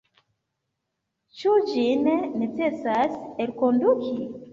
Ĉu ĝin necesas elkonduki?